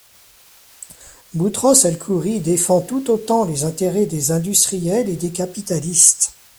Boutros el-Khoury défend tout autant les intérêts des industriels et des capitalistes.